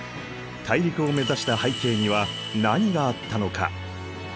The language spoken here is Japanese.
大陸を目指した背景には何があったのか？